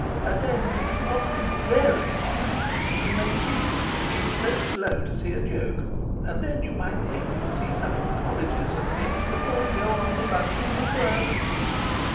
And then if you want to be VERY horrid you may tease me for being so slow to see a joke. And then you might take me to see some of the Colleges and things before we go on to lunch at The MacQuern's?